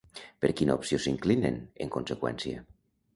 Per quina opció s'inclinen, en conseqüència?